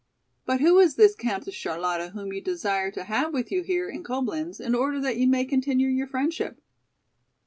"But who is this Countess Charlotta whom you desire to have with you here in Coblenz in order that you may continue your friendship?"